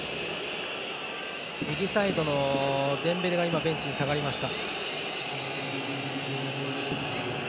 右サイドのデンベレがベンチに下がりました。